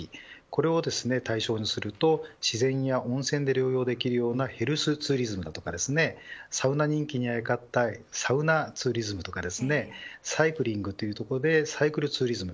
これを対象にすると自然や温泉で療養できるようなヘルスツーリズムやサウナ人気にあやかったサウナツーリズムとかサイクリングというところでサイクルツーリズム